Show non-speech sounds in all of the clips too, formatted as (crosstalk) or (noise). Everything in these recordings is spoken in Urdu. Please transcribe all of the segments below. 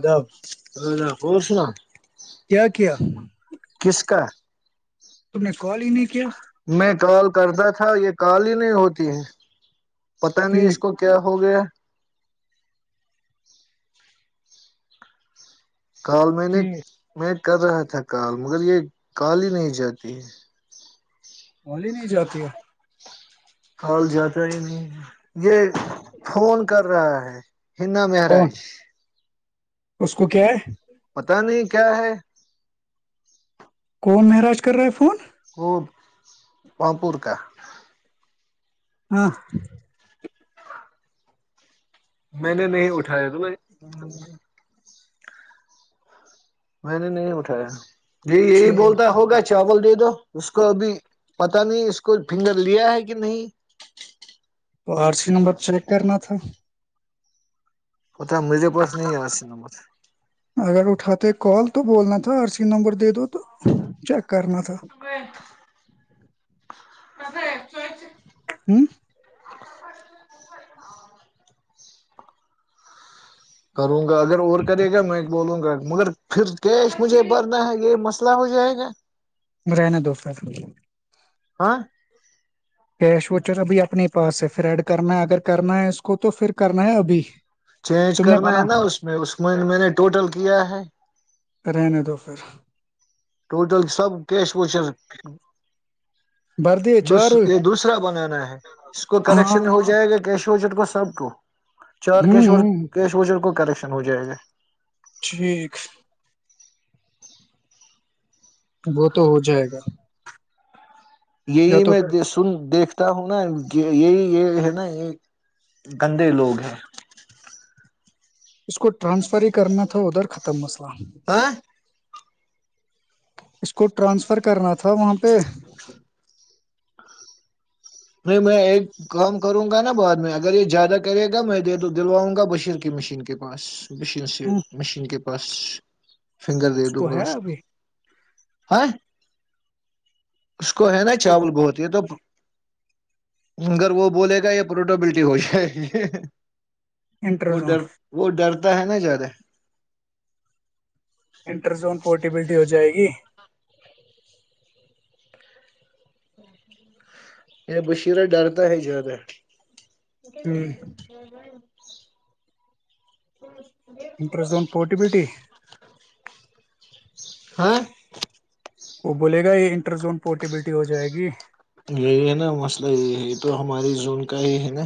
آداب ا کون س نا کیا کیا؟ پچ کا تم نے کال ہی نے کیا میں کال کرتا تھا یہ کال ہی نہیں ہوتی ہے پتاہ نہیں اس کو کیا ہو گیا کل میں نے میں کر رہا تھا کال مگر یہ کال ہی نہیں جاتی ہے ہولی نہیں جاتی ہے کال جاتا ہی نہیں یہ فون کر رہا ہے ہنا کون مہاراج اس کو کیا ہے پتا نہیں کیا ہے کون مہراج کر رہے ہے فون خب پمپور کا ہاں میں نے نہیں اٹھایا تو بھائی میں نے نہیں اٹھایا جی یہی تو بولتا ہوگا چاول دے دو اس کو ابھی پت نہیں اس کو فنگر لیا ہے کہ نہیں تو آر سی نمبر چیک کرنا تھا اتا میرے پاس نہیں آس ن مت اگر اٹھاتے کال تو بولنا تھا اورر سی نمبر دے دو تو چیک کرنا تھا کس ہے چ ہوں آ کرو اگر اور کرے گا میں بولوں گا مگر پھر کیش مجھے بھرنا ہے یہ مسئلہ ہو جائے گا رہنا دوفر ہاں کیش وچر ابھی اپنے پاس ہے پھر ایڈ کرنا ہے اگر کرنا ہے اس کو تو پھر کرنا ہے ابھی چینج تم نے کرنا ہے بنا نا اس میں اس میں میں نے ٹوٹل کیا ہے رہنے دو پھر ٹوٹل سب کیش ووشر بھر دیے چار یہ دوسرا بنانا ہے اس کو کریکشن ہاں ہو جائے گا کیش جٹ کو سب کو چار کیشور ہ کیش ر کو کرش ہو جائے گا ٹھیک وہ تو ہو جائے گا یہی یا تو میں پھر سن دیکھتا تا ہوں نا یہ یہی یہ ہے نا یہ گندے لوگ ہے اس کو ٹرانسفر ہی کرنا تھا ادھر ختم مسئلہ ون ہیں اس کو ٹرانسفر کرنا تھا وہاں پہ نہیں میں ایک کام کروں گا نا بعد میں اگر یہ زیادہ کرے گا میں دے دلواؤں گا بشیر کی مشین کے پاس مشین سے اس مشین کے بش فنگر دے دوں گا ہے اس کو ابھی ہاں اس کو ہے نا چاول بہت یہ تو مگر وہ بولے گا یا پروٹیبلٹی ہو جائے وہ انٹرزون ڈر وہ ڈر ا ہے نا زدہ انٹر زون پورٹیبلٹی ہو جائے گی یہ بشیرہ ڈرتا ہے زیادہ (inaudible) ہ اور انٹر زون پورٹیبلیٹی ہاں وہ بولے گا یہ انٹر زون پورٹیبلٹی ہو جائے گی یہی ہے نا مسئلہ یہ یہ تو ہماری زون کا ہی ہے نا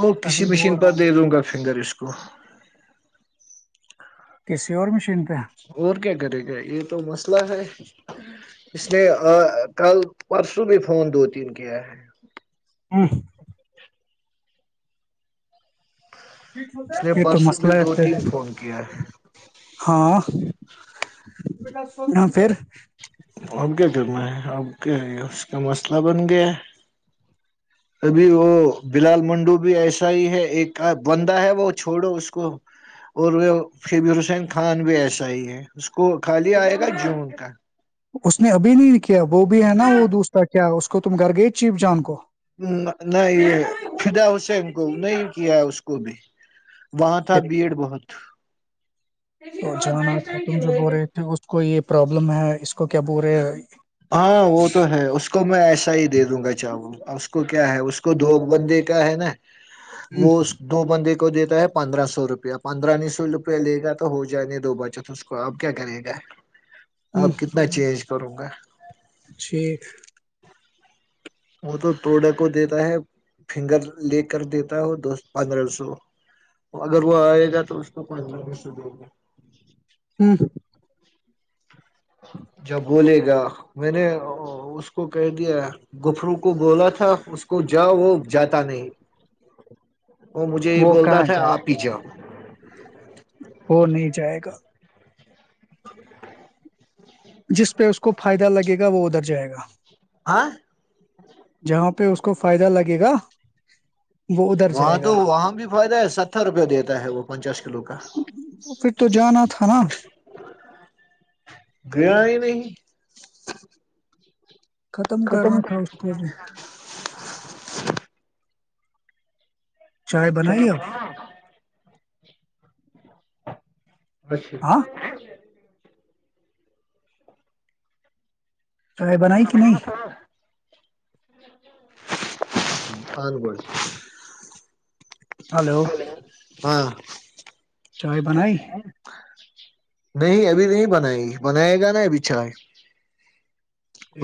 وہ کسی تبھی مشین بول رہا پر ہوں دے دوں گا فنگرر اس کو واہ کسی اور مشین پہ ہے اور کیا کرے گا یہ تو مسئلہ ہے اس نے کل پرسوں میں فون دو تین کیا ہے ہ (inaudible) اس نے یہ تو پرسوں بھی مسئلہ ہے دو پھر تین فون کیا ہے ہاں پھر اب کیا کرنا ہے اب کیا ہے اس کا مسئلہ بن گیا ہے ابھی وہ بلال منڈو بھی ایسا ہی ہے ایک بندہ ہے وہ چھوڑو اس کو اور وہ فبر حسین خان بھی ایسا ہی ہے کو خالی آئے گا جون کا اس نے ابھی نہیں کیا وہ بھی ہے نا وہ دوستا کیا اس کو تم گھر گئے چیف جان کو نہیں یہ فدا حسین کو نہیں کیا اس کو بھی وہاں تھا بھیڑ بہت تو جانا تھا تم جو بول رہے تھے اس کو یہ پرابلم ہے اس کو کیا بول رہے ہاں وہ تو ہے اس کو میں ایسا ہی دے دوں گا چاول اس کو کیا ہے اس کو دھوک بندے کا ہے نا وہ اس ہ دو بندے کو دیتے پندرہ سو روپیہ پندرہ سو روپیہ لے گا تو ہو جائے گے دو بچت اس کو اب کیا کرے گا ہی (inaudible) تو روں گا ٹھیک وہ تو توڈا کو دیتا ہے فنگر لے کر دیتا ہے وہ پندرہ سو اگر وہ آئے گا تو اس کو پندرہ سو د گا ہوں جب بولے گا کیا میں نے اس کو کہ دیا گفرو کو بولا تھا اس کو جا وہ جاتا نہیں وہ مجھے یہ بولتا تھا آپ پیچھا ہو نہیں جائے گا جس پہ اس کو فائدہ لگے گا وہ ادھر جائے گا آئ (inaudible) جہاں پہ اس کو فائدہ لگے گا وہ ادھر وہاں جائے تو گا وہاں بھی فائدہ ہے ستر روپیہ دیتا ہے وہ پنچاس کلو کا تو پھر تو جانا تھا نا گیا ہی نہیں ختم کرنا تھا اس کو بھی چائے بنائی اب اچھا ہاں چائے بنائی کہ نہیں آن گول (inaudible) ہلو ہاں چائے ٹنے بنائی (inaudible) نہیں ابھی نہیں بنائے گی بنائے گا نا ابھی چائے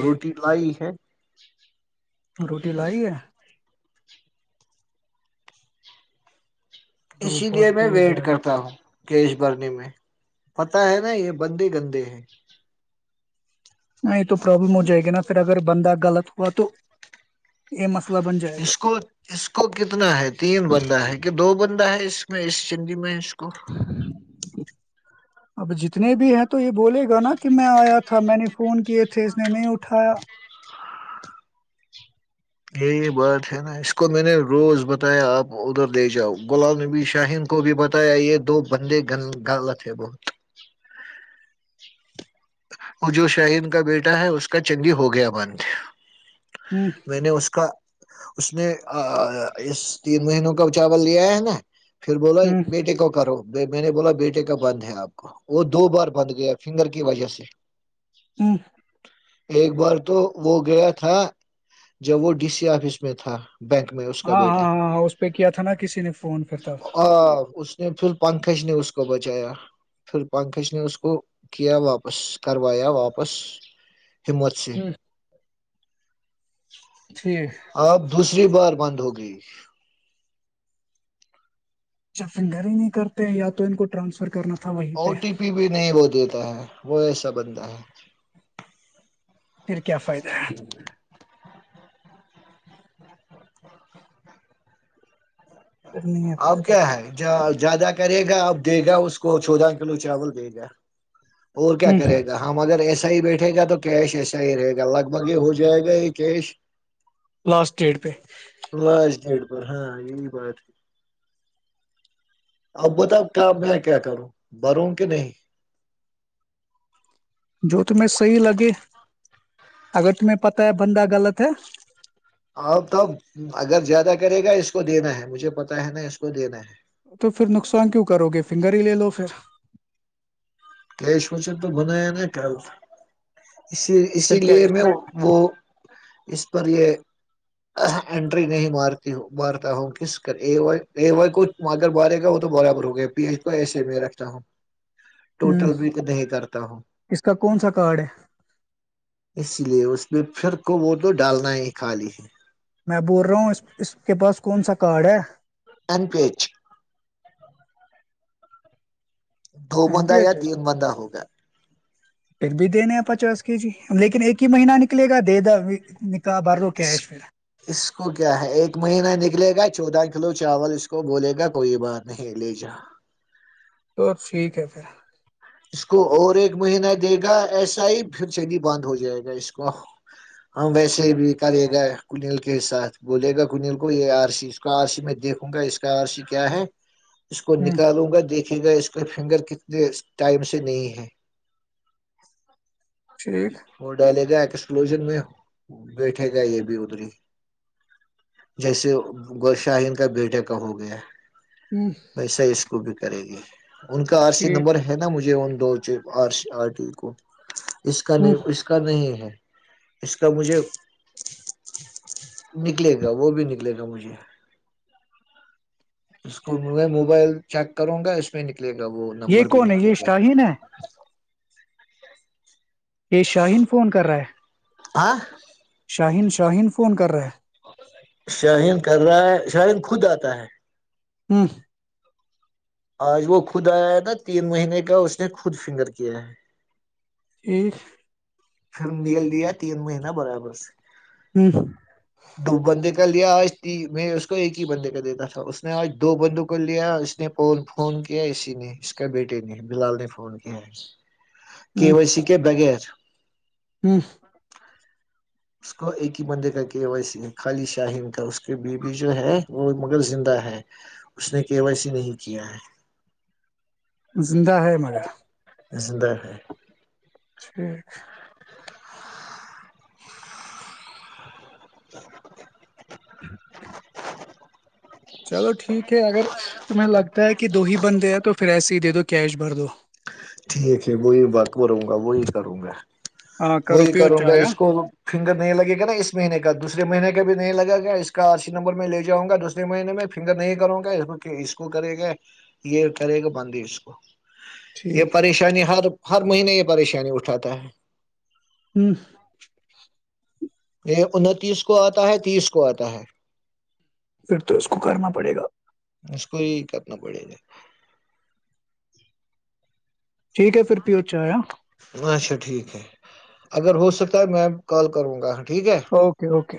یہ روٹی لائی ہے روٹی لائی ہے تو اسی لیے بہت میں تیز ویٹ ہے کرتا ہوں کیش برنی میں پتہ ہے نا یہ بندی گندی ہے نہیں تو پرابلم ہو جائے گی نا پھر اگر بندہ غلط ہوا تو یہ مسئلہ بن جائے گا اس کو اس کو کتنا ہے تین بندہ ہے کہ دو بند ہے اس میں اس زندی میں اور اب جتنے بھی ہیں یہ بول گا نا کہ میں آیا تھا تھا میں نے فون کیاے تھ اس نے نہیں اٹھایا یہی بات ہے نا اس کو میں نے روز بتایا آپ ادھر لے جاؤ غلام نبی شاہین کو بھی بتایا یہ دو بندے غلط ہے بہت وہ جو شاہین کا بیٹا ہے اس کا چنگی ہو گیا مند ہ میں نے اس کا اس نے اس تین مہینوں کا چاول لیا ہے نا پھر بولا ہوں بیٹے کو کرو میں نے بولا بیٹے کا بند ہے آپ وہ دو بار بند گیا فنگر کی وجہ سے (inaudible) ہوں ایک بار تو وہ گیا تھا جب وہ ڈی سی آفس میں تھا بینک میں اس کا ہاں بیٹا ہاں ہاں ہاں، اس پہ کیا تھا نا کسی نے فون پھر تب آ اس نے پھر پنکج نے اس کو بچایا پھر پنکج نے اس کو کیا واپس واپس کروایا واپس ہمت سے بہار کی ہ ٹھیک اوج عا رہی ہے آپ دوس تسری بار بند ہوگئی اچھا فنگرر ہی نہیں کرتے ہیں یا تو ان کو ٹرانسفر کرنا تھا وہیں او پہ ٹی پی بھی نہیں وہ دیتا ہے وہ ہے سب بنند ہے پھر کیا فائدہ ہے؟ پھر نہیں ہے اب فائدہ کیا کچھ ہے زیادہ کیا کرے گا اب دے گا اس کو چودہ کلو چاول دے گا اور کیا ہ کرے گا ہم اگر ایسے صحی بیٹھے گا تو کیش ایسا ہی رہے گا لگ بھگ یہ ہو جائے گا یہ کیش لاسٹ ڈیٹ پہ اورر ہاں بھر اب بتاؤ کیا میں کیا کروں بروں کہ نہیں جو تمہیں صحی لگے اگر تمہیں پتا ہے بندہ غلط ہے اب تو اگر زیادہ کرے گا اس کو دینا ہے مجھے پتا ہے نا اس کو دینا ہے تو پھر نقصان کیوں کرو گے فنگر ہی لے لو پھر کیش وچے تو بنا ہے ن کیا اسی اسی پھر کیا لیے ہے اس میں وہ اس پر یہ اینٹری نہیں مارتی مارتا ہوں کس کر اے وائی اے وائی کو اگر مارے گا ہو تو برابر ہو گیا پی ایچ کو ایسے میں رکھتا ہوں ہوں ٹوٹل بھی نہیں کرتا ہوں اس کا کون سا کارڈ ہے اسی لیے اس پچر کو وہ تو ڈالنا ہی خالی میں بول رہا ہوں اس اس کے پاس کون سا کارڈ ہے این پی ایچ دو این بندہ پی ایچ یا تین بندہ ہوگا پھر بھی دینے ہیں پچاس کے جی لیکن ایک ہی مہینہ نکلے گا دے د بر اس کیش میں اس کو کیا ہے ایک مہینہ نکلے گا چودہ کلو چاول اس کو بولے گا کوئی بات نہیں لے جا تو ٹھیک ہے پھر اس کو اور ایک مہینہ دے گا ایسا ہی پھر صدی بند ہو جائے گا اس کو ہم ویسے ہی بھی کرے گا کنل کے ساتھ بولے گا کنیل کو یہ آر سی اس کو آر سی میں دیکھوں گا اس کا آر سی کیا ہے اس کو ہوں نکالوں گا دیکھ دے گا اس کا فنگر کتنے ٹائم سے نہیں ہے ٹھیک وہ ڈ بھی ایکسلوژن میں بیٹھے گا یہ بھی ادری جیسے گ شاہین کا بیھے کا ہو گیا ہ ویسے اس کو بھی کرے گی ان کا آر سی ٹھیک نمبر ہے نا مجھے جیون دوچر آر ٹی کو اس ہ کا ن نہیں ہے اس کا مجھے نکلے گا وہ بھی نکلے گا مجھے اس کو میں موبائل چیک کروں گا اس میں نک نکلے گا وہ یہ نمبر بھی کون ہے نکلے یہ گا شاہین ہے یہ شاہین فون کر رہا ہے آ شاہین شاہین فون کر رہا ہے شاہین کر رہا ہے شاہین خود آتا ہے ہ آج وہ خود آیا ہے ن تین مہینے کا اس نے خود فنگر کیا ہے (inaudible) پھر نکل دیا تین مہین برابر سے ہ دو بند لیا آج میں اس کو ایک ہی بندے کا دیتا تھا اس نے آج دو بندوں کو لیا اس نے فون کیا اسی نے اس کا بیٹے نے بلال نے فون کیا ہے کی وائی سی کے بغیر ہی کی بندے کا کی اویسی خالی شاہین تھا اس کی بیوی جو ہے وہ مگر زندہ ہے اس نے کی اویسی نہیں کیا ہے زندہ ہے مگر ہے زندہ ہے ٹھیک چلو ٹھیک ہے اگر تمہیں لگتا ہے کہ کہ دو ہی بندے ہیں تو پھر ایسے ہی دے دو کیش بھر دو ٹھیک ہے وہی وقف رہوں گا وہی کروں گا ہاں کرو وہی پیو کروں گا چایا اس کو فنگرر نہیں لگے گا نا اس مہینے کا دوسرے مہینے کا بھی نہیں لگا گا اس کا اسی نمبر میں لے جاؤں گا دوسرے مہینے میں فنگر نہیں کروں گا اس کو کرے گا یہ کرے گا بندی اس کو یہ ٹھیک ہے پریشانی ہر ہر مہینے یہ پریشانی اٹھاتا ہے ہوں یہ انتیس کو آتا ہے تیس کو آتا ہے پھر تو اس کو کرنا پڑے گا اس کوئیکت نہ پڑے گ ٹھیک ہے پھر پیو چایا اچھا ٹھیک ہے اگر وہ سکتا ہے میں کال کروں گا ٹھیک ہے اوکے اوکے